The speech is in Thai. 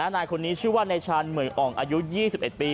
นายคนนี้ชื่อว่านายชาญเหมือยอ่องอายุ๒๑ปี